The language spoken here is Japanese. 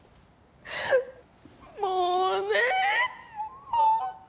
もうねえ